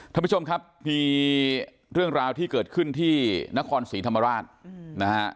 ท่านผู้ชมครับมีเรื่องราวที่เกิดขึ้นที่นครศรีธรรมราชนะฮะ